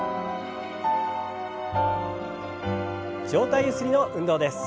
上体ゆすりの運動です。